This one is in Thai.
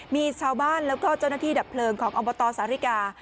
มีชาวบ้านแล้วก็เจ้าหน้าที่ดับเพลิงของอบตสาริกา